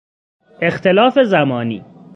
اختلاف زمانی